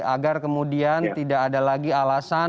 agar kemudian tidak ada lagi alasan bagi masyarakat kesulitan